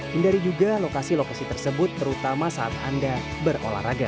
hindari juga lokasi lokasi tersebut terutama saat anda berolahraga